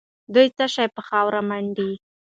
دوی څه شي په خاورو منډي؟